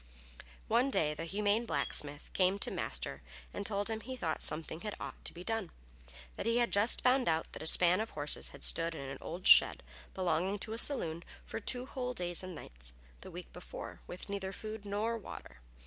One day the humane blacksmith came to Master and told him he thought something had ought to be done. That he had just found out that a span of horses had stood in an old shed, belonging to a saloon, for two whole days and nights, the week before, with neither food nor water.